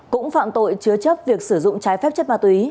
cũng phạm tội chứa chấp việc sử dụng trái phép chất ma túy